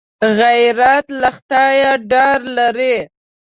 غیرت له خدایه ډار لري